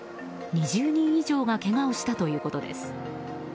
２０人以上がけがをしたということです。